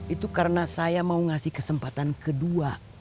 itu karena saya mau ngasih kesempatan kedua